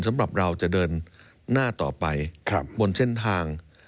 สำหรับเราจะเดินหน้าต่อไปบนเส้นทาง